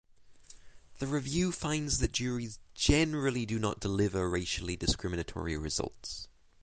The Review finds that juries generally do not deliver racially discriminatory results.